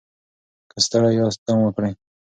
که ستړي یاست دم وکړئ.